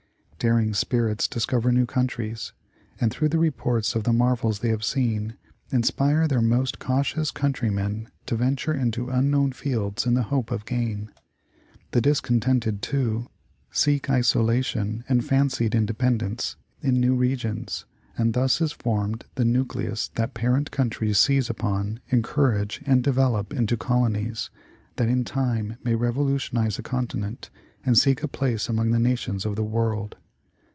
Daring spirits discover new countries, and through the reports of the marvels they have seen, inspire their more cautious coun trymen to venture into unknown fields in the hope of gain. The discontented, too, seek isolation and fancied independence in new regions, and thus is formed the nucleus that parent countries seize upon, encourage, and develop into colonies, that in time may revolutionize a continent, and seek a place among the nations of the world.